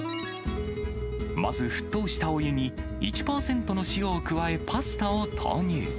まず沸騰したお湯に、１％の塩を加え、パスタを投入。